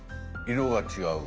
色が違う。